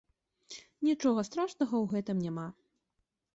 Нічога страшнага ў гэтым няма.